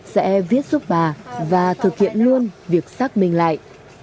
sẽ viết giúp bà và thực hiện luôn việc xác minh lại